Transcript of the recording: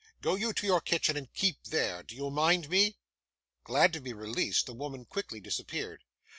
Go you to your kitchen, and keep there. Do you mind me?' Glad to be released, the woman quickly disappeared.